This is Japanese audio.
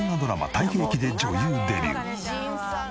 『太平記』で女優デビュー。